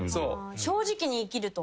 正直に生きると。